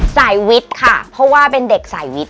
สายวิธค่ะเพราะว่าเป็นเด็กสายวิธ